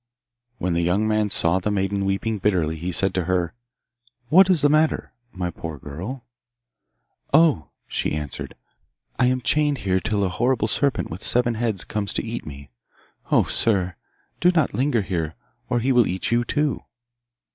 When the young man saw the maiden weeping bitterly he said to her, 'What is the matter, my poor girl?' 'Oh!' she answered, 'I am chained here till a horrible serpent with seven heads comes to eat me. Oh, sir, do not linger here, or he will eat you too.